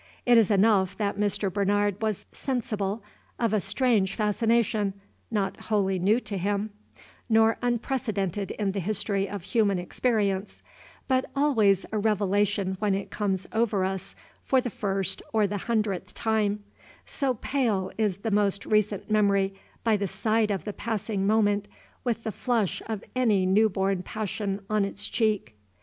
It is enough that Mr. Bernard was sensible of a strange fascination, not wholly new to him, nor unprecedented in the history of human experience, but always a revelation when it comes over us for the first or the hundredth time, so pale is the most recent memory by the side of the passing moment with the flush of any new born passion on its cheek.